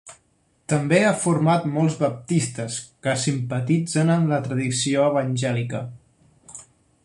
També ha format molts baptistes que simpatitzen amb la tradició evangèlica.